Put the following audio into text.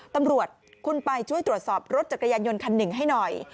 ตำรวจคุณไปช่วยตรวจสอบรถจักรยานยนต์คันหนึ่งให้หน่อย